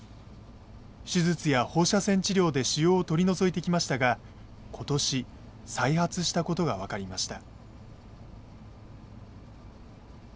手術や放射線治療で腫瘍を取り除いてきましたが今年再発したことが分かりました。